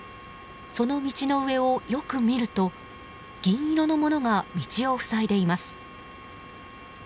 その道の上をよく見ると銀色のものが道を塞いでいます。